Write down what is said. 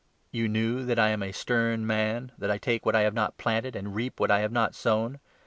You knew that I am a stern man, that I take what I have not planted, and reap what I have not sown